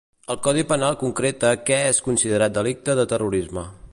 El codi penal concreta què és considerat delicte de terrorisme.